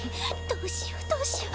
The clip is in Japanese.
どうしようどうしよう。